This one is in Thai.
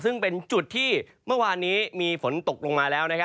ซึ่งเป็นจุดที่เมื่อวานนี้มีฝนตกลงมาแล้ว